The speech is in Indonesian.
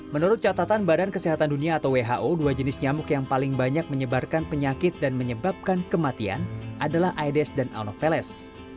menurut catatan badan kesehatan dunia atau who dua jenis nyamuk yang paling banyak menyebarkan penyakit dan menyebabkan kematian adalah aedes dan anopheles